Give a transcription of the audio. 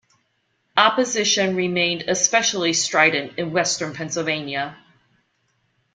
Opposition remained especially strident in western Pennsylvania.